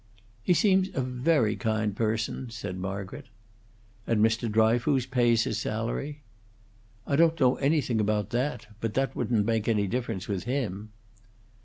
"He seems a very kind person," said Margaret. "And Mr. Dryfoos pays his salary?" "I don't know anything about that. But that wouldn't make any difference with him."